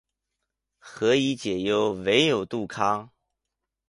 何以解忧，唯有杜康